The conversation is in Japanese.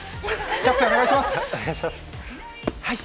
キャプテン、お願いします。